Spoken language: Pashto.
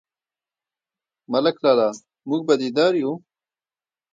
_ملک لالا، موږ بدي دار يو؟